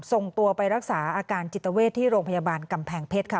ส่งตัวไปรักษาอาการจิตเวทที่โรงพยาบาลกำแพงเพชรค่ะ